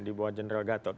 dibawa general gatot